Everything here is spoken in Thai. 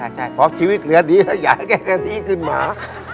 ใช่คุณภาพชีวิตเหลือดีแล้วหยายแค่แค่นี้ขึ้นมา